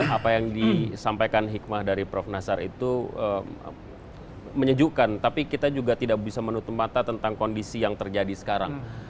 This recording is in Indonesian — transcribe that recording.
apa yang disampaikan hikmah dari prof nasar itu menyejukkan tapi kita juga tidak bisa menutup mata tentang kondisi yang terjadi sekarang